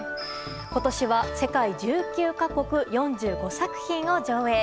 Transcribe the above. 今年は世界１９か国、４５作品を上映。